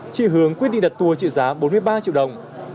chị hường quyết định đặt tour trị giá bốn mươi ba triệu đồng